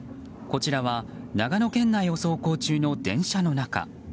こちらは長野県内を走行中の電車の中。